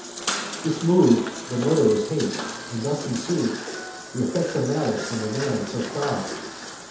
This mov'd the murderer's hate; and soon ensued Th' effects of malice from a man so proud.